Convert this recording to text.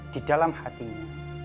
di dalam hatinya